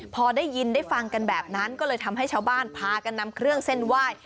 พอได้ยินได้ฟังกันแบบนั้นก็เลยทำให้ชาวบ้านพากันนำเครื่องเส้นไหว้